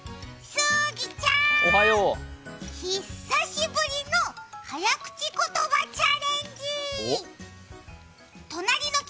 杉ちゃん、久しぶりの早口言葉チャレンジ！